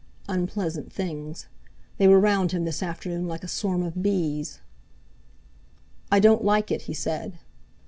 Unpleasant things! They were round him this afternoon like a swarm of bees! "I don't like it!" he said.